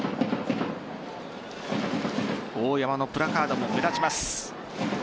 大山のプラカードも目立ちます。